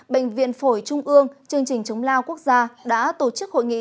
bệnh viện phổi trung ương chương trình chống lao quốc gia đã tổ chức hội nghị